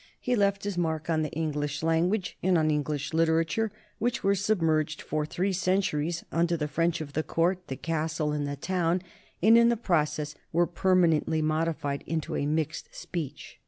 He left his mark on the English language and on Eng lish literature, which were submerged for three centuries under the French of the court, the castle, and the town, and in the process were permanently modified into a mixed speech.